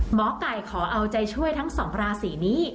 หมอไก่ขอเอาใจช่วยทั้งสองราศีนี้